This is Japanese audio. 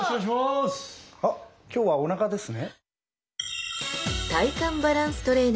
あっ今日はおなかですね。